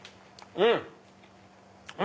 うん！